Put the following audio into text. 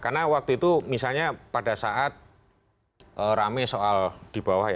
karena waktu itu misalnya pada saat rame soal dibawah